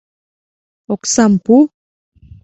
— Оксам пу!